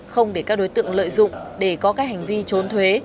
không để các đối tượng lợi dụng để có các hành vi trốn thuế